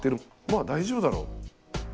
まあ大丈夫だろう。